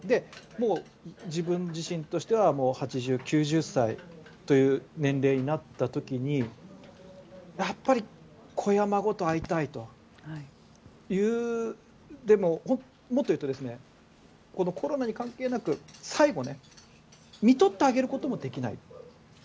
もう自分自身としては８０、９０歳という年齢になった時にやっぱり子や孫と会いたいというもっと言うとコロナに関係なく最後、みとってあげることもできない。